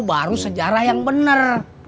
baru sejarah yang bener